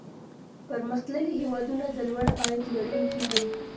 پرمختللي هېوادونه د لوړ عاید لرونکي دي.